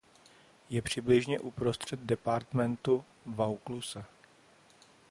Je přibližně uprostřed departementu Vaucluse.